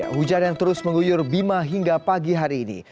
hujan yang terus mengguyur bima hingga pagi hari ini